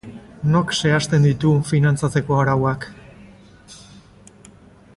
Nork zehazten ditu finantzatzeko arauak?